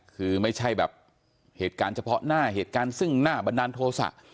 คือไม่ใช่แบบเหตุการณ์เฉพาะหน้าเหตุการณ์ซึ่งหน้าบันดาลโทษะ